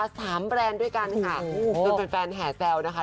ก็ถามแบรนด์ด้วยกันค่ะคุณเป็นแฟนแห่แซวนะคะ